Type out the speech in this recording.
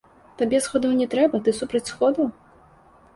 Табе сходаў не трэба, ты супроць сходаў?